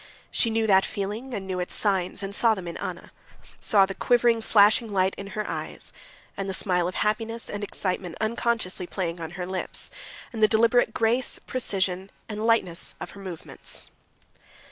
She knew that feeling and knew its signs, and saw them in Anna; saw the quivering, flashing light in her eyes, and the smile of happiness and excitement unconsciously playing on her lips, and the deliberate grace, precision, and lightness of her movements.